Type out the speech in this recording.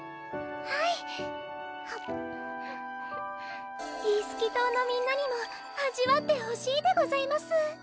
はいイースキ島のみんなにも味わってほしいでございます